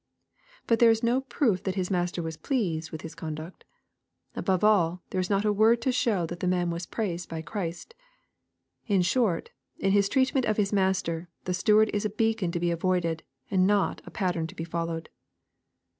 But there is no proof that his master was pleased with his conduct. Above all, there is not a word to show that the man was praised by Christ. In short, in his treatment of his master, the steward is a beacon to be avoided, and not a pattern to be followed.